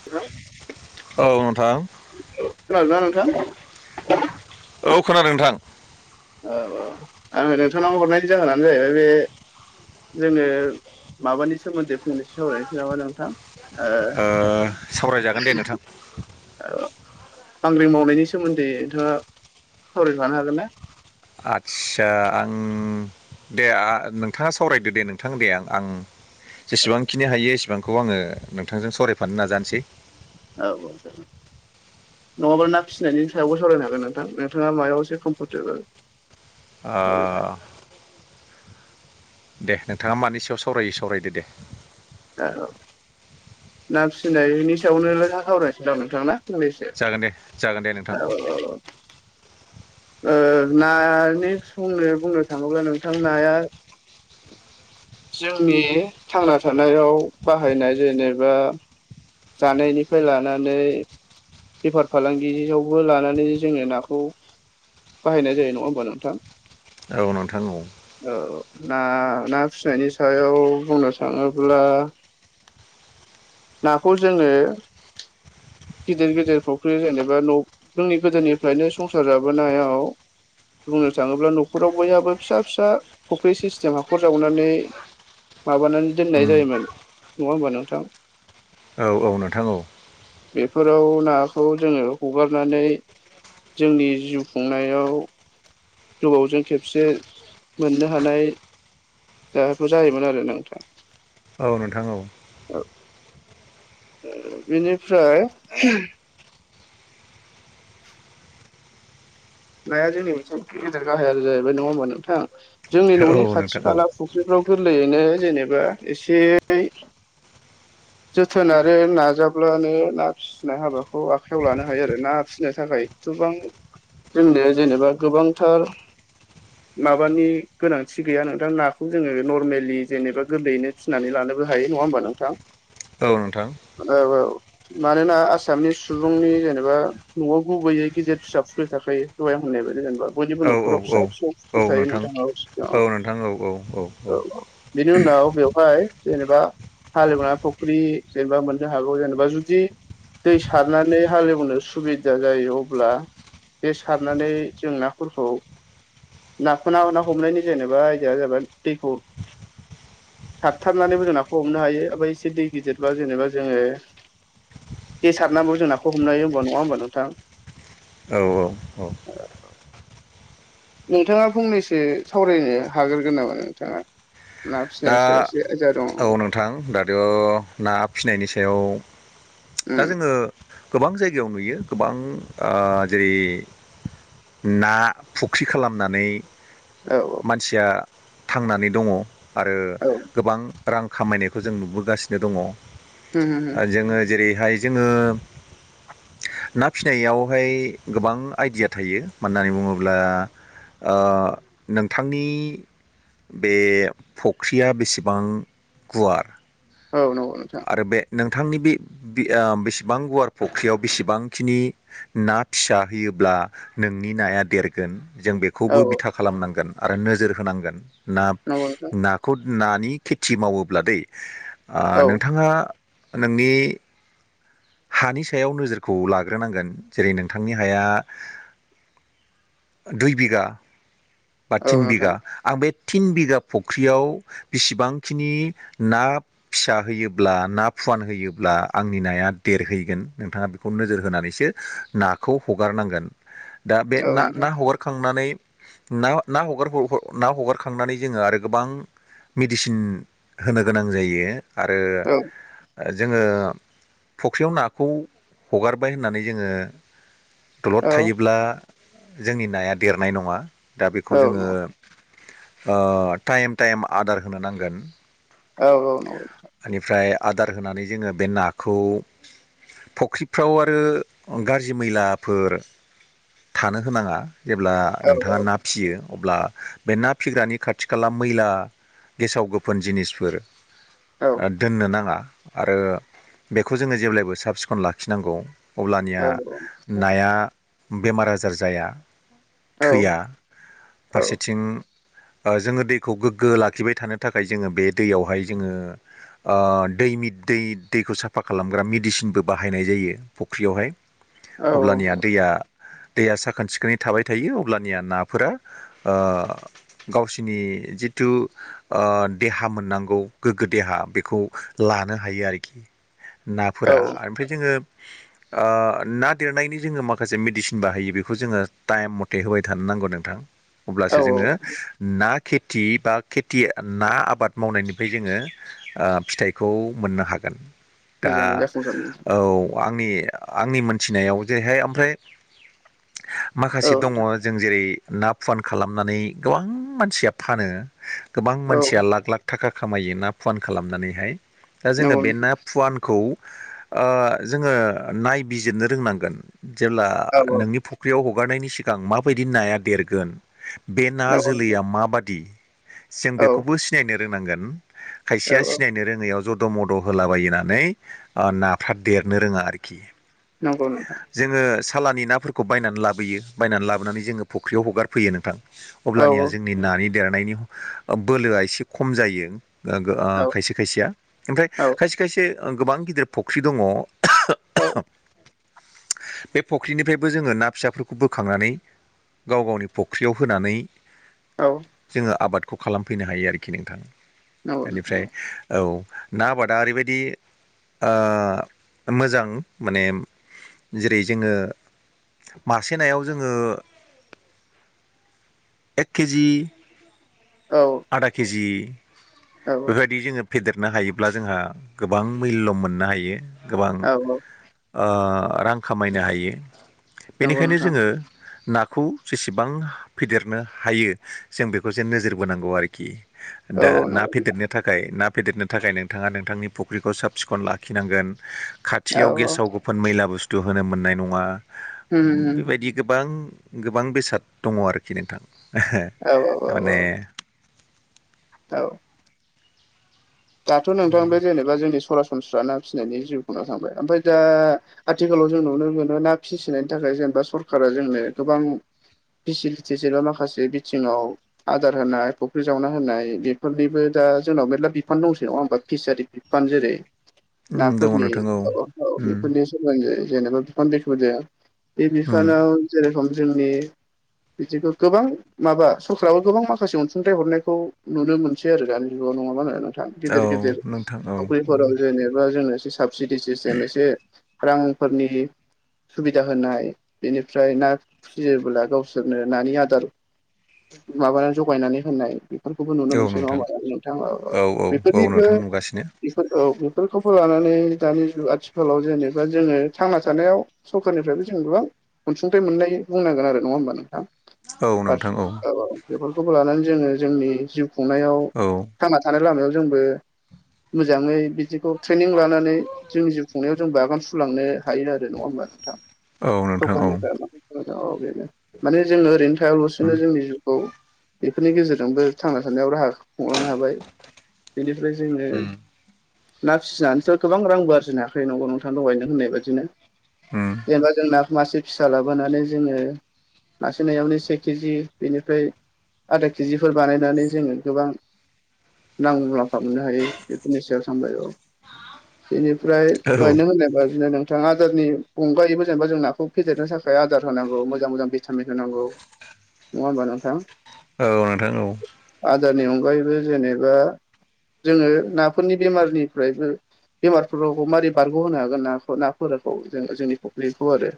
[unintelligible] औ नोंथां खोनादोंना नोंथां? औ खोनादों नोंथां औ औ आङो नोंथांनाव हरनायनि जाहोनानो जाहैबाय बे जोङो माबानि सोमोन्दै फंनैसो सावरायनोसै नामा नोंथां? ओ सावरायजागोन अ दे नोंथां बांग्रि मावनायनि सोमोन्दै नोंथाङा सावरायफानो हागोन ना? आदसा आं दे नोंथाङा सावरायदो दे नोंथां दे आं आं जेसेबांखिनि हायो एसेबांखौ आङो नोंथांजों सावरायफानो नाजानोसै। औ दे नङाबा ना फिनायनि सायावबो सावरायनो हागोन नोंथां नोंथाङा माबायाव एसे कम्फरटेबोल ओ दे नोंथाङा मानि सायाव सावरायोै सावरायदो दे। औ ना फिसिनायनि सायावनो सावरायनोसै दांं नोंथां फंनैसो। जागोन दे जागोन दे औ नोंथां। औ ओ नानि समनो बुंनो थाङोब्ला नोंथां नाया। जोंनि थांना थानायाव बाहायनाय जेनेबा। जानायनिफ्राय लानानै। बेफार फालांगियावबो लानानै जोङो नाखौ बाहायनाय जायो नङा होमबा नोंथां। औ नोंथां औ। औ ना ना फिसिनायनि सायाव बुंनो थाङोब्ला। नाखौ जोङो। गिदिर गिदिर फख्रि जेनेबा न' जोंनि गोदोनिफ्रायनो संसार जाबोनायाव बुंनो थाङोब्ला न'खराव बयहाबो फिसा फिसा फुख्रि सिस्टेम हाखर जावनानै माबानानै दोननाय उम जायोमोन नङा होमबा नोंथां? औ औ नोंथां औ। बेफोराव नाखौ जोङो हगारनानै जोंनि जिउ खुंनायाव गोबावजों खेबसे मोननो हानाय। जायोमोन आरो नोंथां औ नोंथां औ। औ ओ बेनिफ्राय। [inaudible] नाया जोंनि मोनसे गेदेर गाहाय आरो जाहैबाय नङा होमबा नोंथां जोंनि न'नि औ खाथि नोंथां औ खाला फु खाफ्राव गोरलैयैनो जेनेबा एसे जोथोन आरो नाजाब्लानो ना फि फिसिनाय हाबाखौ आखाइायाव लानो हायो आरो ना फिसिनो थाखाय गोबां। जोंनि जेनेबा गोबांथार। माबानि गोनांथि गैया नोंथां नाखौ जोङो नर्मेलि जेनेबा गोरलैयैनो। फिनानै लानोबो हायो नङा होमबा नोंथां। औ नोंथां। औ-औ मानोना आसामनि सुबुंनि जेनेबा। न'आव गुबैयै गेजेर फिसा फुख्रि थाखायो दहाय आं होननाय बायदि जेनेबा बयनिबो औ न'खराव औ फिसा फिसौ। थायो नोंथां औ औ नोंथां औ औ औ औ बेनि उनाव बेवहाय जेनेबा हालेवना फुख्रि जेनेबा मोननो हागौ जेनेबा जुदि दै सारनानै हाले एवनो सुबिदा जायो अब्ला बे सारनानै जों नाफोरखौ। नाखौ ना हमनायनि जेनेबा आयदिया जाबाय दैखौ। सारथारनानैबो जों नाखौ हमनो हायो ओमफ्राय एसे दै गिदिरबा जेनेबा जोङो दै सारनाबो जों नाखौ हमनो हायो नङा होमबा नोंथां। औ औ औ। नोंथाङा फंनैसो सावरायनो हाग्रोगोन नामा नोंथाङा। ना दा फिसिनायनि सायाव एसे आयदा दङ औ नोंथां दाद' ना फिसिनायनि सायाव। उम दा जोङो गोबां जायगायाव नुयो गोबां जेरै ना फुख्रि खालामनानै। औ मानसिया थांनानै दङ आरो औ गोबां। रां खामायनायखौ जों नुबोगासिनो दङ होम होम होम जोङो जेरैहाय जोङो ना फिसिनायावहाय गोबां आइदिया थायो मानो होननानै बुङोब्ला आ नोंथांनि बे फख्रिया बेसेबां गुवार औ नंगौ नोंथां आरो नोंथांनि बे बेसेबां गुवार फख्रियाव बेसेबांखिनि ना फिसा होयोब्ला नोंनि नाया देरगोन जों बे औ खौबो औ बिथा खालामनांगोन आरो नोजोर होनांगोन ना नंगौ नोंथां नाखौ नानि खेथि मावोब्ला दै औ नोंथाङा नोंनि हानि सायाव नोजोरखौ लाग्रोनांगोन जेरै नोंथांनि हाया दुइ बिघा बा औ थिन नोंथां बिघा आं बे थिन बिघा फुख्रियाव बेसिबांखिनि ना फिसा होयोब्ला ना फुवान होयोब्ला आंनि नाया देरहैगोन नोंथाङा खौ नोजोर होनानैसो नाखौ हगारनांगोन दा बे औ ना नोंथां ना हगारखांनानै ना ना हगारबाव ना हगारखांनानै जोङो आरो गोबां मेडिसिन होनो गोनां जायो आरो औ जोङो फुख्रियाव नाखौ हगारबाय होननानै जोङो दलद औ थायोब्ला जोंनि नाया देरनाय नङा दा बेखौ जोङो औ ओ टाइम टाइम आदार होनो नांगोन औ औ नंगौ नोंथां बेनिफ्राय आदार होनानै जोङो बे नाखौ फुख्रिफ्राव आरो गाज्रि मैलाफोर थानो होनाङा जेब्ला औ नोंथाङा ना फिसियो अब्ला बे ना फिग्रानि खाथि खा खाला मैला गेसाव गोफोन जिनिसफोर औ दोननो नाङा आरो बेखौ जोङो जेब्लायबो साब सिखन लाखिनांगौ औ अब्लानिया नाया बेमार आजार जाया औ थैया फारसेथिं जोङो दैखौ गोग्गो लाखिबाय थानो थाखाय जोङो बे दैयावहाय जोङो ओ दैनि दै दैखौ साफा खालामग्रा मेडिसिनबो बाहायनाय जायो फुख्रियावहाय औ अब्लानिया दैया दैया साखोन सिखोनै थाबाय थायो अब्लानिया नाफोरा गावसिनि जिथु देहा मोननांगौ गोग्गो देहा बेखौ लानो हायो आरोखि औ नाफोरा ओमफ्राय जोङो [inaudible] ना देरनायनि जोङो माखासे मेडिसिन बाहायो बेखौ जोङो टाइम मथे होबाय थानो नांगौ नोंथां अब्लासो औ जोङो ना खेथि बा खेथि ना आबाद मावनायनिफ्राय जोङो फिथाइखौ मोननो हागोन दा मोजाङै जाफुंसारनो औ आंनि आंनि मोनथिनायाव जेरैहाय ओमफ्राय औ माखासे दङ जों जेरै ना फुवान खालामनानै गोबां मानसिया फानो गोबां औ मानसिया लाख लाख थाखा खामायो ना फुवान खालामनानैहाय दा जोङो नंगौ बे नोंथां ना फुवानखौ जोङो नायबिजिरनो रोंनांगोन जेब्ला औ औ नोंनि फुख्रियाव हगारनायनि सिगां माबायदि नाया देरगोन बे नंगौ नोंथां जोलैआ मा बादि जों औ बेखौबो सिनायनो रोंनांगोन खायसेया औ औ सिनायनो रोङैआव जद' मद' होला बनानै नाफ्रा देरनो रोङा आरोखि नंगौ नोंथां जोङो सालानि नाफोरखौ बायनानै लाबोयो बायनानै लाबोनानै जोङो फुख्रियाव हगारफैयो नोंथां औ अब्लानिया जोंनि नानि देरनायनि बोलोआ एसे खम जायो औ खायसे खायसेया ओमफ्राय खायसे खायसे गोबां गिदिर फख्रि दङ औ बे फुख्रिनिफ्रायबो जोङो ना फिसाफोरखौ बोखांनानै गाव गावनि फख्रियाव होनानै औ जोङो आबादखौ खालामफैनो हायो आरोखि नोंथां नंगौ नोंथां बेनिफ्राय औ ना आबादा ओरैबायदि मोजां माने जेरै जोङो मासे नायाव जोङो एक केजि औ आधा केजि औ बेबायदि जोङो फेदेरनो हायोब्ला जोंहा गोबां मुल्य मोननो हायो गोबां औ औ रां खामायनो हायो नंगौ बेनिखायनो नोंथां जोङो नाखौ जेसेबां फेदेरनो हायो जों बेखौसो नोजोर बोनांगौ आरोखि औ दा औ ना नंगौ फेदेरनो थाखाय ना फेदेरनो थाखाय नोंथाङा नोंथांनि फुख्रिखौ साब सिखन लाखिनांगोन औ खाथियाव औ गेसाव आफफोन मैला बुस्थु होनो मोननाय नङा उम उम बेबायदि गोबां गोबां बेसाद दङ आरोखि नोंथां औ औ औ औ माने औ दाथ' नोंथां बे जेनेबा जोंनि सरासनस्रा ना फिसिनायनि जिउखौना थांबाय ओमफ्राय दा आथिखालाव जों नुनो मोनो ना फिसिनायनि थाखाय जेनेबा सरकारा जोंनो गोबां फेसिलिटिस एबा माखासे बिथिङाव आदार होनाय फुख्रि जावना होनाय बेफोरनिबो दा जोंनाव मेरला बिफान दंसै नङा हबा फिसारि बिफान जेरै उम दङ नाफोरनि नोंथां औ उम बेफोरनि ज जेनेबा बिफान दैख जाया बे उम बिफानाव जेरेखम जोंनि बिदिखौ गोबां माबा सरकाबो गोबां माखासे अनसुंथाइ हरनायखौ नुनो मोनो आरो गानि जुगाव नङाबा नोंथां औ गिदिर गिदिर नोंथां औ औ फावख्रिफोराव जेनेबा जोंना एसे साबसिडि सिस्टेम एसे रांफोरनि सुबिदा होनाय बेनिफ्राय ना फियोब्ला गावसोरनो नानि आदार माबानानै जगायनानै होननाय बेफोरखौबो नुनो औ मोनसै नङा नोंथां होमबा नोंथाङा औ औ औ बेफोरनिबो नोंथां नुगासिनो बे औ बेफोरखौबो लानानै दानि जुग आथिखालाव जेनेबा जोङो थांना थानायाव सरखारारनिफ्रायबो जों गोबां अनसुंथाइ मोननायायो बुंनांगोन आरो नङा होमबा औ नोंथाङा नोंथां औ बेफोरखौबो लानानै जोङो जोंनि जिउ खुंनायाव औ आरो लामायाव जोंबो मोजाङै बिदिखौ ट्रेनिं लानानै जोंनि जिउ खुंनायाव जोंबो आागान सुरलांनो थायो आरो नङा होमबा नोंथां औ नोंथां औ सरखारनिफ्राय म औ बेनो माने जोङो ओरैनो उम हायालासेनो जोंनि जिउखौ बेफोरनि गेजेरजोंबो थांना थानायाव राहा खुंलांनो हाबाय बेनिफ्राय जोङो उम ना फिसिनानैस' गोबां रांबो आरजिनो हायाखायो नंगौ नोंथां दगायनो होननाय बादिनो जेनेबा जों नाखौ मासे फिसा लाबोनानै जोङो मासे नायावनो से केजि बेनिफ्राय आधा केजिफोर बानायनानै जोङो गोबां नां मुलाम्फा मोननो हायो बेफोरनि सायाव सानबाय औ बेनि फ्राय औ दहाय नों होननाय बादिनो नों [unintelligible] आदारनि अनगायैबो जेनेबा जों नाखौ फेदेरनो थाखाय आदार होनांगौ मोजां मोजां भिटामिन होनांगौ नङा होमबा नोंथां औ नोंथां औ आदारनि अनगायैबो जेनेबा जोङो नाफोरनि बेमारनिफ्रायबो बेमारफोरखौ मारै बारग'होनो हागोन नाखौ नाफोरखौ जोङो जोंनि फख्लिखौ आरो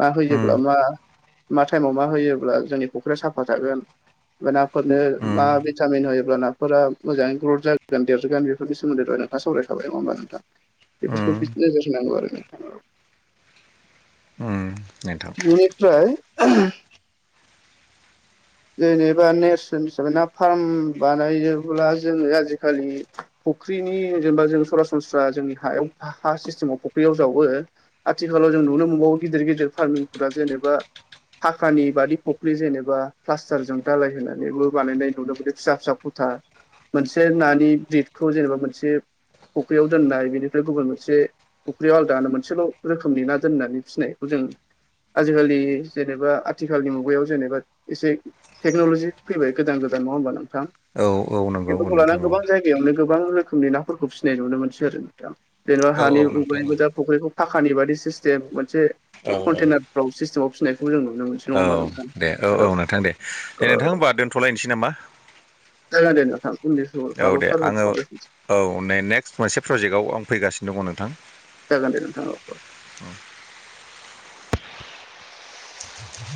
मा उम होयोबब्ला मा मा टाइमाव मा होयोब्ला जोंनि फ'ख्रिया साफा थागोन ना फोरनो उम मा भिटामिन होयोब्ला नाफोरा मोजाङै ग्रथ जागोन देरगोन बेफोर सोमोन्दै दहाय नोंथांङा सावरायखाबाय नङा होमबा नोंथा उम बेफोरखौबो नोजोर होनांगौ आरो नोंथां उम नोंथां ननिफ्राय जेनेबा नेसनेल हिसाबै ना फार्म बानायोबब्ला जोङो आजिखालि फुख्रिनि जेनेबा जों सरासनस्रा जोंनि हायाव हा सिस्टेमाव फुख्रियाव जावो आथिखालाव जों नुनो मोनबावो गिदिर गिदिर फार्मिंफोरा जेनेबा थाखानि बादि फुख्रि जेनेबा प्लास्टारजों दालाय होनानैबो बानायनाय नुदों बि फिसा फिसा खथा मोनसे नानि ब्रिदखौ जेनेबा मोनसे फुख्रियाव दोननाय बेनिफ्राय गुबुन मोनसे फुख्रियाव आलादानो मोनसेल' रोखोमनि ना दोननानै फिसिनायखौ जों आजिखालि जेनेबा आथिखालनि मुगायाव जेनेबा एसे टेक्न'ल'जि फैबाय गोदान गोदान नङा होमबा? थां औ औ नंगौ औ बेफोरखौ लाना नोंथां औ गोबां जायगायावनो गोबां रोखोमनि दाव खौ फिसिनाय नुनो मोनसै आरो दा जेनेबा औ औ हानि नोंथां औ उग्रायबो दा फुख्रिखौ थाखानि बादि सिस्टेम मोनसे औ कन्टेनारफ्राव सिस्टेमाव फिसिनायखौ जों नुनो मोनसै नङा औ होमबा नोंथां। दे औ औ नोंथां दे दे औ नोंथां होनबा दोनथ'लायनोसै नामा? द द थां [unintelligible] औ दे आङो औ नै नेक्स्ट मोनसे प्रजेक्टआव आं फैगासिनो दङ नोंथां। जागोन दे नोंथां।